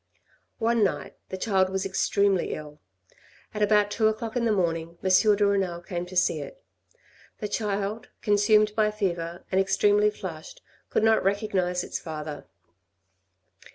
" One night the child was extremely ill. At about two o'clock in the morning, M. de Renal came to see it. The child consumed by fever, and extremely flushed, could not recognise its father.